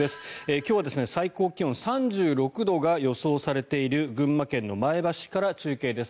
今日は最高気温３６度が予想されている群馬県の前橋市から中継です。